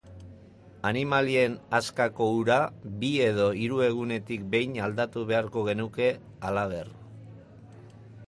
Animalien askako ura bi edo hiru egunetik behin aldatu beharko genuke, halaber.